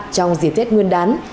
trong dịp tết nguyên đán